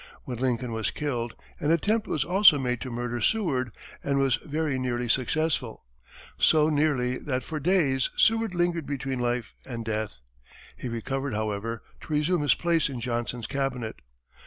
When Lincoln was killed, an attempt was also made to murder Seward, and was very nearly successful so nearly that for days Seward lingered between life and death. He recovered, however, to resume his place in Johnson's cabinet.